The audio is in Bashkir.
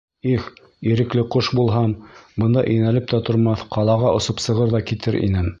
Их, ирекле ҡош булһам, бында инәлеп тә тормаҫ, ҡалаға осоп сығыр ҙа китер инем.